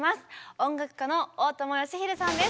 音楽家の大友良英さんです。